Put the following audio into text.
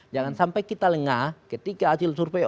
jangan sampai kita lengah ketika hasil survei